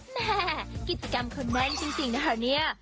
แม่กิจกรรมคนนั้นจริงนะครับเนี่ย